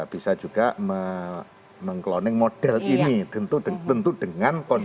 bisa juga mengkloning model ini tentu dengan kondisi masing masing daerah